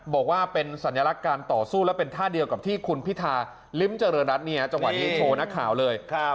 บอกว่าเป็นสัญลักษณ์การต่อสู้และเป็นท่าเดียวกับที่คุณพิธาลิ้มเจริญรัฐจังหวัดนี้โชว์นักข่าวเลย